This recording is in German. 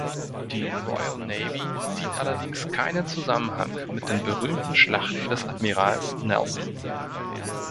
Die Royal Navy sieht allerdings keinen Zusammenhang mit den berühmten Schlachten des Admirals Nelson.